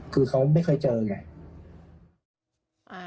เค้าไม่เคยเจออย่างนี้